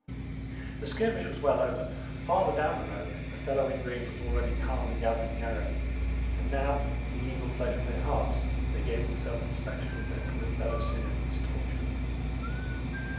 The skirmish was well over; farther down the road, a fellow in green was already calmly gathering the arrows; and now, in the evil pleasure of their hearts, they gave themselves the spectacle of their poor fellow sinner in his torture.